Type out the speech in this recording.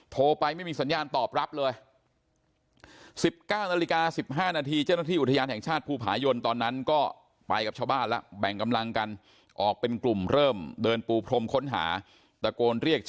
โทรไปไม่มีสัญญาณตอบรับเลย๑๙นาฬิกา๑๕นาที